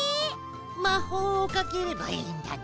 まほうをかければいいんだな？